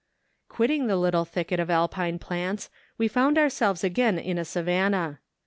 Quitting the little thicket of Alpine plants, we found ourselves again in a savannah.